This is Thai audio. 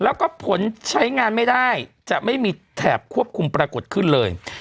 แล้วก็ผลใช้งานไม่ได้จะไม่มีแถบควบคุมปรากฏขึ้นเลย